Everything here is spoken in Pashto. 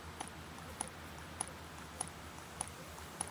ایا غوړ به کم کړئ؟